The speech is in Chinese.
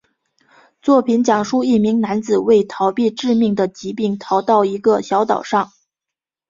作品讲述一名男子为躲避致命的疾病逃到一个小岛上。